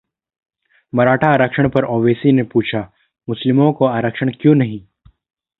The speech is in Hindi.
मराठा आरक्षण पर ओवैसी ने पूछा-मुस्लिमों को आरक्षण क्यों नहीं?